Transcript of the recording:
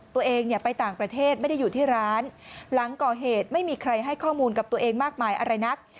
ตัวเองเนี่ยไปต่างประเทศไม่ได้อยู่ที่ร้านหลังก่อเหตุไม่มีใครให้ข้อมูลกับตัวเองมากมายอะไรนัก